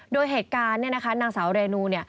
โดยเหตุการณ์นางสาวเรนู